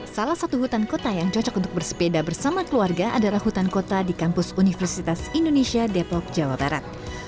salah satu hutan kota yang cocok untuk bersepeda bersama keluarga adalah hutan kota di kampus universitas indonesia depok jawa barat